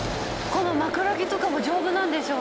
この枕木とかも丈夫なんでしょうね